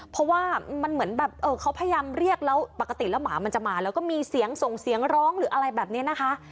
เพราะว่ามันเหมือนแบบเขาพยายามเรียกแล้วปกติแล้วหมามันจะมาแล้วก็มีเสียงส่งเสียงร้องหรืออะไรแบบนี้นะคะ